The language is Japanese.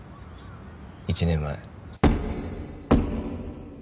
１年前